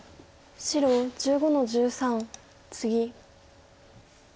白１５の十三ツギ。